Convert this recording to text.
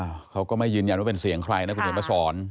ะเขาก็ไม่ยืนว่าเป็นเสียงใครนะส่วนหลังพอสอน